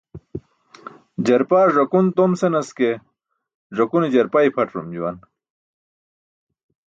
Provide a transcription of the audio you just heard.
Jarpaar ẓakun tom senas ke, ẓakune jarpa i̇pʰaṭarum juwan.